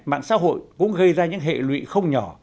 mạng xã hội cũng gây ra những hệ lụy không nhỏ